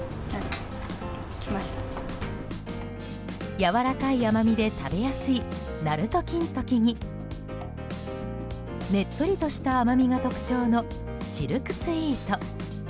柔らかい甘みで食べやすいなると金時にねっとりとした甘みが特徴のシルクスイート。